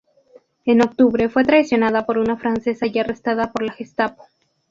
En octubre fue traicionada por una francesa y arrestada por la Gestapo.